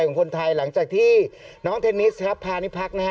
ของคนไทยหลังจากที่น้องเทนนิสครับพานิพักนะฮะ